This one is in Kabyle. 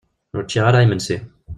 Ur ččiɣ ara imensi.